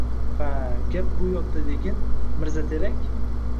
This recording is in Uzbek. Ha, gap bu yoqda degin, Mirzaterak